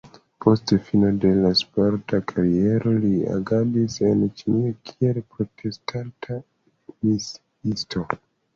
Post fino de la sporta kariero, li agadis en Ĉinio kiel protestanta misiisto.